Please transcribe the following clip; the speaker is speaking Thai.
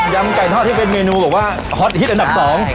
ไก่ทอดที่เป็นเมนูแบบว่าฮอตฮิตอันดับสอง